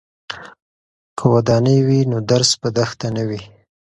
که ودانۍ وي نو درس په دښته نه وي.